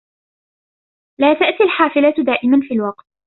لا تأتي الحافلة دائما في الوقت.